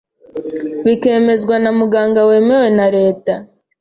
bikemezwa na muganga wemewe na Leta ;